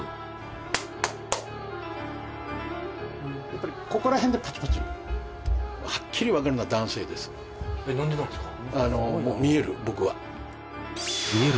やっぱりここら辺でパチパチいうはっきり分かるのは男性です何でなんですか？